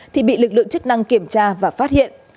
thì bị lực lượng chức năng kiểm tra và phát hiện